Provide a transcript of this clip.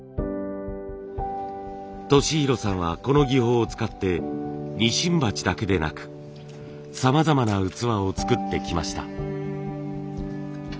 利浩さんはこの技法を使ってニシン鉢だけでなくさまざまな器を作ってきました。